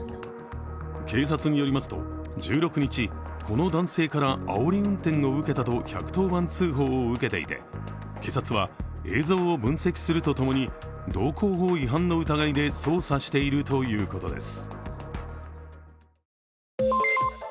警察によりますと１６日、この男性からあおり運転を受けたと１１０番通報を受けていて、警察は映像を分析するとともに道交法違反の疑いで捜査しているということです。